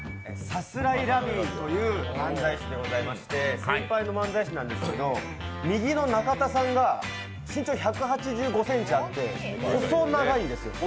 さすらいラビーという漫才師でございまして先輩の漫才師なんですけど、右の中田さんが身長１８５ｃｍあって本当に細長いんです。